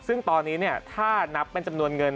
ซึ่งตอนนี้ถ้านับเป็นจำนวนเงิน